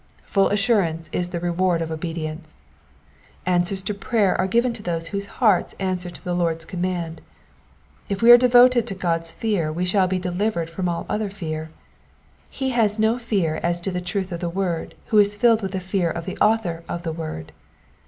Full assurance is the reward of obedience. Answers to prayer are given to those whose hearts answer to the Lord's command. If we are devoted to God's fear we shall be delivered from all other fear. He has no fear as to the truth of the word who is filled with fear of the Author of the word.